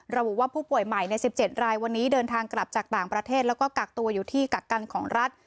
ระบุว่าผู้ป่วยใหม่ใน๑๗รายวันนี้เดินทางกลับจากต่างประเทศแล้วก็กักตัวอยู่ที่กักกันของรัฐ